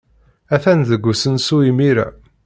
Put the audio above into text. Atan deg usensu imir-a.